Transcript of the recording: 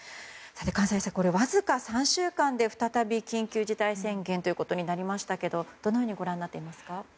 閑歳さん、わずか３週間で再び緊急事態宣言となりましたがどのようにご覧になっていますか。